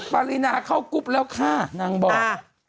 ปรินาเข้ากรุ๊ปแล้วค่ะนางบอก